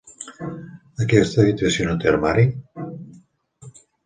Aquesta habitació no té armari?